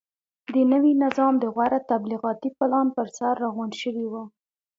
د نوي نظام د غوره تبلیغاتي پلان پرسر راغونډ شوي وو.